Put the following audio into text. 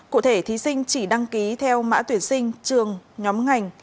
cụ thể thí sinh chỉ đăng ký theo mã tuyển sinh trường nhóm ngành